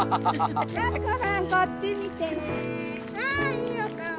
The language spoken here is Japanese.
あいいお顔！